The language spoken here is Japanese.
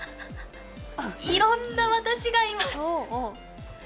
いろんな私がいます。